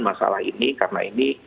masalah ini karena ini